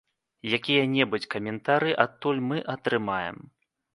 Якія-небудзь каментары адтуль мы атрымаем.